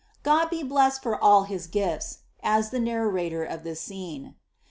'^God be blessed for all his gifls !^' adds the narrator of this scene.'